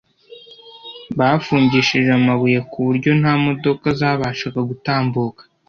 bafungishije amabuye ku buryo nta modoka zabashaga gutambuka